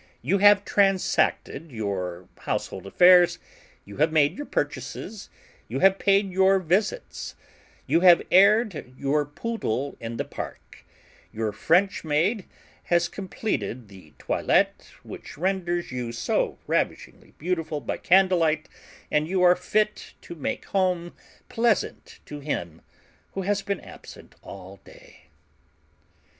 You have transacted your household affairs; you have made your purchases; you have paid your visits; you have aired your poodle in the Park; your French maid has completed the toilette which renders you so ravishingly beautiful by candlelight, and you are fit to make home pleasant to him who has been absent all day.